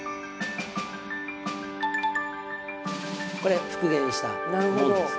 これ復元したものですよ。